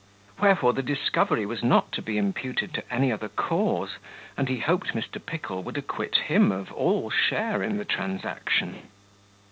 Wherefore, the discovery was not to be imputed to any other cause; and he hoped Mr. Pickle would acquit him of all share in the transaction.